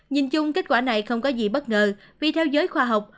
nhìn chung kết quả này không có gì bất ngờ vì theo giới khoa học